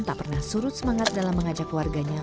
tak pernah surut semangat dalam mengajak warganya